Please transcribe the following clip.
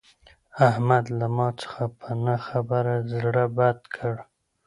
احمد له ما څخه په نه خبره زړه بد کړ.